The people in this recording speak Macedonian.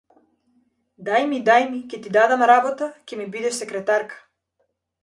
Дај ми, дај ми, ќе ти дадам работа, ќе ми бидеш секретарка!